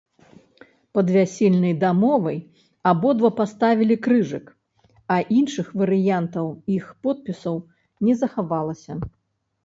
Пад вясельнай дамовай абодва паставілі крыжык, а іншых варыянтаў іх подпісаў не захавалася.